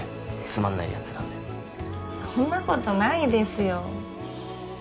つまんないやつなんでそんなことないですよ